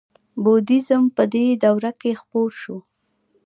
بودیزم په دې دوره کې خپور شو